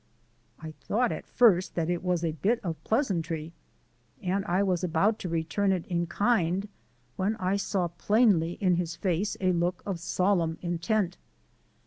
I thought at first that it was a bit of pleasantry, and I was about to return it in kind when I saw plainly in his face a look of solemn intent.